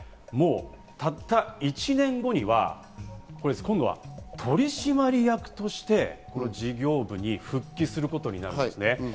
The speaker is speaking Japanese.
ただ、たった１年後には取締役として事業部に復帰することになるんですね。